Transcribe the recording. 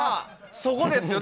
そこですよ。